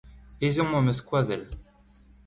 Ezhomm am eus skoazell.